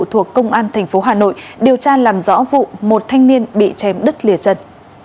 thuộc công an tp hà nội điều tra làm rõ vụ một thanh niên bị chém đứt lìa chân